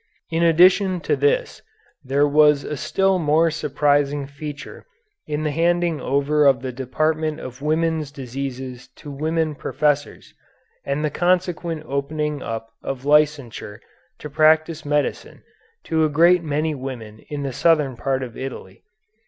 In addition to this there was a still more surprising feature in the handing over of the department of women's diseases to women professors, and the consequent opening up of licensure to practise medicine to a great many women in the southern part of Italy.